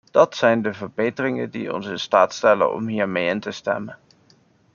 Dat zijn de verbeteringen die ons in staat stellen om hiermee in te stemmen.